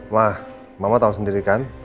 mah mama tau sendiri kan